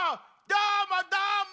どーもどーも！